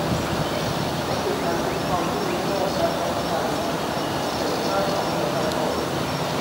มิติการคุ้มครองผู้บริโภคและรับประกันสิทธิเสรีภาพของประชาชน